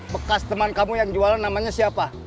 bekas teman kamu yang jualan namanya siapa